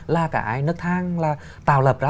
là cái nước thang là tạo lập ra